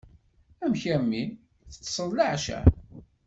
Amek a mmi! Teṭseḍ leɛca?